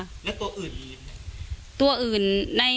แล้วตัวอื่นมีอะไร